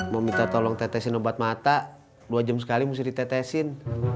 meminta tolong tetesin obat mata dua jam sekali mesti ditetesin